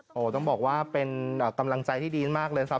โอ้โหต้องบอกว่าเป็นกำลังใจที่ดีมากเลยครับ